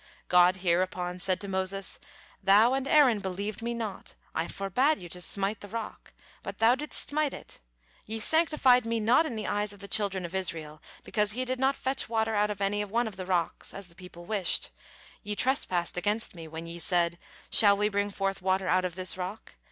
God here upon said to Moses: "Thou and Aaron believed Me not, I forbade you to smite the rock, but thou didst smite it; ye sanctified Me not in the eyes of the children of Israel because ye did not fetch water out of any one of the rocks, as the people wished; ye trespassed against Me when ye said, 'Shall we bring forth water out of this rock?'